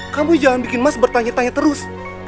kamu jangan bikin mas bertanya tanya terus